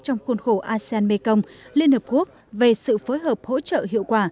trong khuôn khổ asean mekong liên hợp quốc về sự phối hợp hỗ trợ hiệu quả